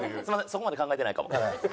そこまで考えてないかも。